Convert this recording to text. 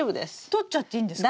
取っちゃっていいんですか？